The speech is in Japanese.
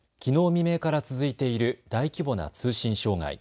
未明から続いている大規模な通信障害。